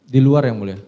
di luar yang boleh